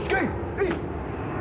はい！